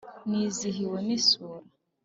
nizihiwe n’isura